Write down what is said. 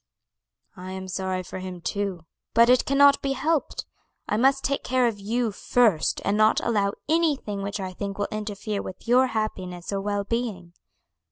"I am sorry for him too, but it cannot be helped. I must take care of you first, and not allow anything which I think will interfere with your happiness or well being."